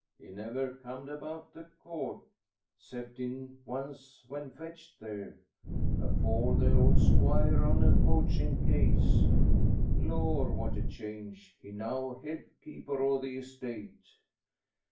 He never comed about the Court, 'ceptin' once when fetched there afore the old Squire on a poachin' case. Lor! what a change! He now head keeper o' the estate."